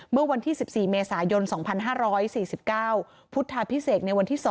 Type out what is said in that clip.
เมื่อวันที่๑๔เมษายน๒๕๔๙พุทธาพิเศษในวันที่๒